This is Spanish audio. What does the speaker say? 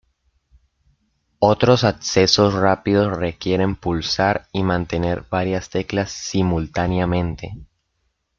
Otros accesos rápidos requieren pulsar y mantener varias teclas simultáneamente.